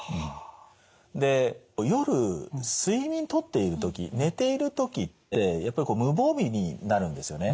で夜睡眠とっている時寝ている時ってやっぱりこう無防備になるんですよね。